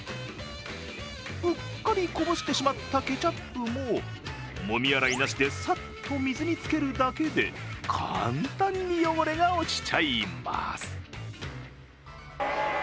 うっかりこぼしてしまったケチャップももみ洗いなしでさっと水につけるだけで簡単に汚れが落ちちゃいます。